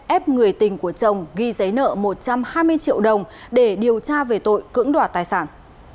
ép người tình của chồng ghi giấy nợ một trăm hai mươi triệu đồng để điều tra về tội cưỡng đoạt tài sản